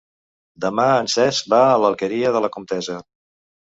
Demà en Cesc va a l'Alqueria de la Comtessa.